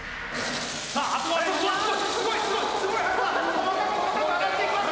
細かく細かく上がっていきます！